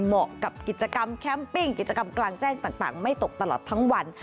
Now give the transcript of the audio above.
เหมาะกับกิจกรรมแคมปิ้งกิจกรรมกลางแจ้งต่างไม่ตกตลอดทั้งวัน